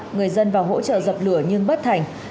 người dân vào hỗ trợ dập lửa nhưng bất thành